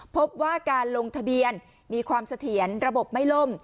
พบว่าการลงทะเบียนมีความเสถียรระบบไม่ล่ม